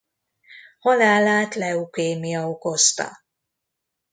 Halálát leukémia okozta.